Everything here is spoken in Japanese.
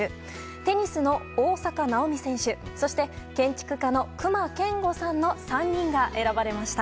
テニスの大坂なおみ選手そして建築家の隈研吾さんの３人が選ばれました。